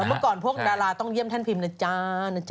แล้วเมื่อก่อนพวกดาราต้องเยี่ยมแท่นพิมพ์นะจ้า